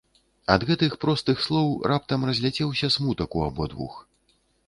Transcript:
Ад гэтых простых слоў раптам разляцеўся смутак у абодвух.